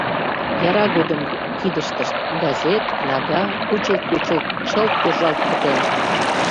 Яра годым кидыштышт — газет, кнага, кучылт-кучылт чылт туржалт пытен.